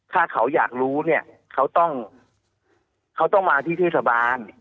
ถ้าเขาอยากรู้เนี่ยเขาต้องเขาต้องมาที่เทศบาล